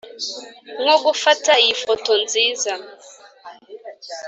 nko gufata iyi foto nziza